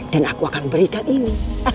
dan aku akan berikan ini